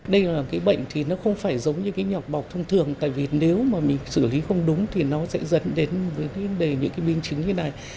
đây là cái bệnh thì nó không phải giống như cái nhọc bọc thông thường tại vì nếu mà mình xử lý không đúng thì nó sẽ dẫn đến những cái biến chứng như này